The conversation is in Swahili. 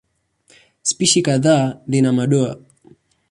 Spishi kadhaa zina madoa.